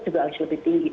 juga harus lebih tinggi